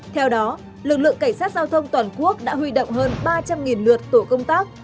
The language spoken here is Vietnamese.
theo đó lực lượng cảnh sát giao thông toàn quốc đã huy động hơn ba trăm linh lượt tổ công tác